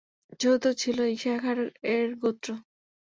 চতুর্থ ছিল ঈশাখার-এর গোত্র।